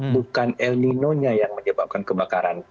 bukan el nino nya yang menyebabkan kebakaran